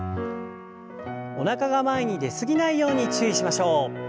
おなかが前に出すぎないように注意しましょう。